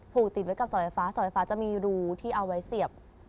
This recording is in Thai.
ผูกติดไว้กับเสาไฟฟ้าสายไฟฟ้าจะมีรูที่เอาไว้เสียบ